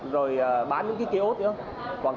rồi bán những cái kế ốt nữa